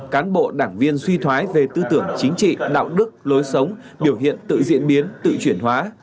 cán bộ đảng viên suy thoái về tư tưởng chính trị đạo đức lối sống biểu hiện tự diễn biến tự chuyển hóa